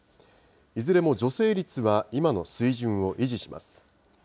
いずれも助成率は今の水準を維持します。